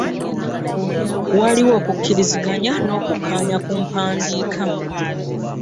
Waaliwo okukkiriziganya n'okukkaanya ku mpandiika